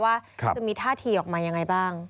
ว่าจะมีท่าทีออกมายังไงบ้าง